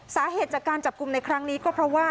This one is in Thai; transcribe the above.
สาเหตุจากการจับกลุ่มในครั้งนี้ก็เพราะว่า